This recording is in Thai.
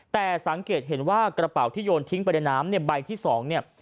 แต่สังเกตเห็นว่ากระเป๋าที่โยนทิ้งไปในน้ำเนี่ยใบที่๒เนี่ย